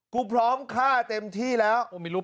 กูพร้อมฆ่าเต็มที่แล้ว